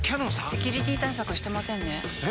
セキュリティ対策してませんねえ！